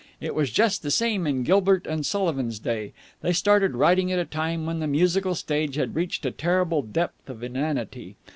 It was just the same in Gilbert and Sullivan's day. They started writing at a time when the musical stage had reached a terrible depth of inanity.